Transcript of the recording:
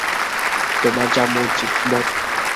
তোমার যা মর্জি, বব।